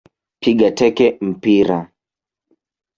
Piga teke mpira